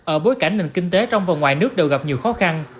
ở bối cảnh nền kinh tế trong và ngoài nước đều gặp nhiều khó khăn